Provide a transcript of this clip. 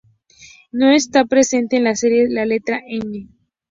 No está presente en la serie la letra Ñ.